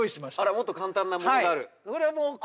もっと簡単なものがある？